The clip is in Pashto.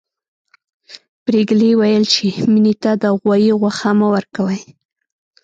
پريګلې ويل چې مينې ته د غوايي غوښه مه ورکوئ